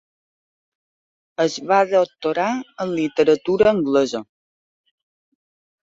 Es va doctorar en Literatura anglesa.